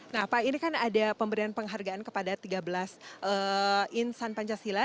nah pak ini kan ada pemberian penghargaan kepada tiga belas insan pancasila